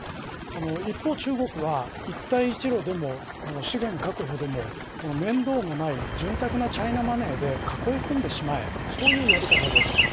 一方、中国は一帯一路でも資源確保でも面倒のない潤沢なチャイナマネーで囲い込んでしまえそういうやり方です。